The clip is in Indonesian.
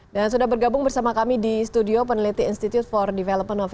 dan sudah bergabung bersama kami di studio peneliti institute for development of info